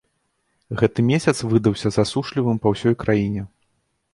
Гэты месяц выдаўся засушлівым па ўсёй краіне.